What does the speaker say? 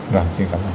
vâng xin cảm ơn